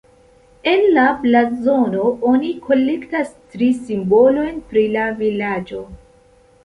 En la blazono oni kolektas tri simbolojn pri la vilaĝo.